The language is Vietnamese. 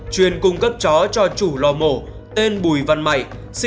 chuyên cung cấp chó cho chủ lo mổ tên bùi văn mảy